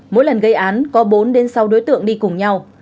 mỗi lần gây án có bốn sáu đối tượng đi cùng nhau